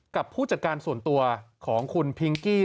กับผู้จัดการส่วนตัวของคุณพิงกี้